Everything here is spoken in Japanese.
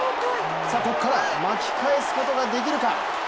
ここから巻き返すことができるか。